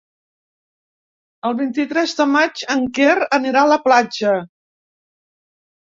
El vint-i-tres de maig en Quer anirà a la platja.